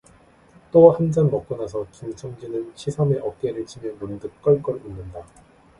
또 한 잔 먹고 나서 김 첨지는 치삼의 어깨를 치며 문득 껄껄 웃는다.